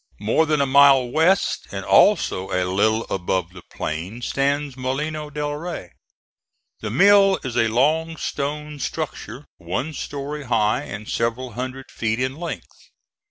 More than a mile west, and also a little above the plain, stands Molino del Rey. The mill is a long stone structure, one story high and several hundred feet in length.